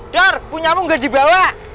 dar punya mu gak dibawa